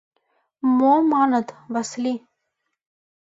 — Мо, маныт, Васли...